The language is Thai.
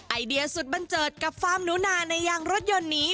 ไอเดียสุดบันเจิดกับฟาร์มหนูนาในยางรถยนต์นี้